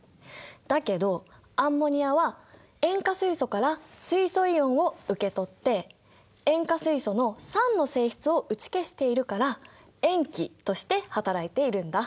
だけどアンモニアは塩化水素から水素イオンを受け取って塩化水素の酸の性質を打ち消しているから塩基として働いているんだ。